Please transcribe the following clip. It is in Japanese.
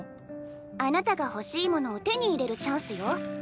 あなたが欲しいものを手に入れるチャンスよ。